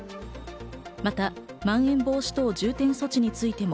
また、まん延防止等重点措置についても